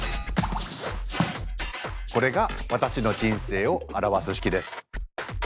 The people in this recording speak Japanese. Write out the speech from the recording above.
これが私の人生を表す式です。